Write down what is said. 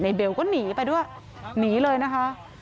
เบลก็หนีไปด้วยหนีเลยนะคะ